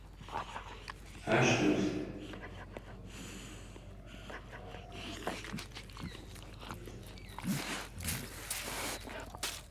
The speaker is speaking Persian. هشت روستا به عنوان کاندیدای نهایی ایران در پروژه بهترین روستاهای جهانی گردشگری